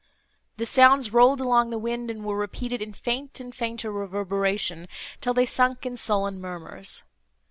The sounds rolled along the wind, and were repeated in faint and fainter reverberation, till they sunk in sullen murmurs.